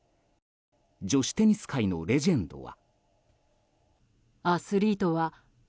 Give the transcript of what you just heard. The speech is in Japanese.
女子テニス界のレジェンドは。